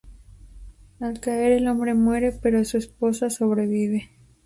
Al caer el hombre muere, pero su esposa sobrevive.